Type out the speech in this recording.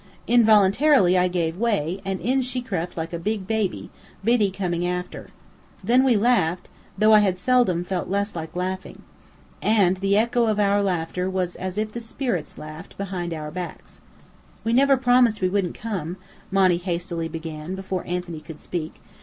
Involuntarily I gave way, and in she crept like a big baby, Biddy coming after. Then we laughed, though I had seldom felt less like laughing. And the echo of our laughter was as if the spirits laughed, behind our backs. "We never promised we wouldn't come," Monny hastily began, before Anthony could speak.